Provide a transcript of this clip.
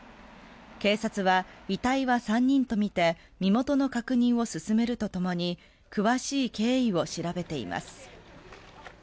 警察は遺体は３人とみて身元の確認を進めるとともに詳しい経緯を調べています。